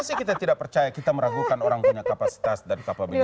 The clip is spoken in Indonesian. pasti kita tidak percaya kita meragukan orang punya kapasitas dan kapabilitas